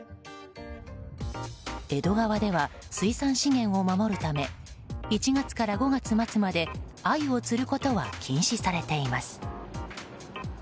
江戸川では、水産資源を守るため１月から５月末までアユを釣ることは禁止されています。